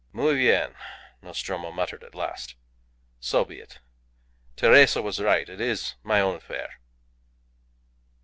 "Muy bien!" Nostromo muttered at last. "So be it. Teresa was right. It is my own affair."